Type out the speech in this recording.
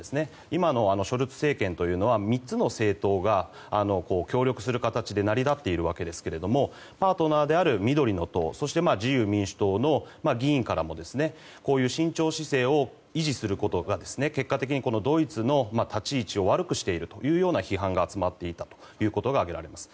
今のショルツ政権というのは３つの政党が協力する形で成り立っているんですがパートナーである緑の党自由民主党の議員からも慎重姿勢を維持することが結果的にドイツの立ち位置を悪くしているという批判が集まっていたということが挙げられます。